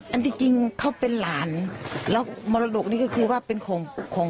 อันที่จริงเค้าเป็นหลานแล้วแล้วมรดกนี้ก็คือก็เป็นคง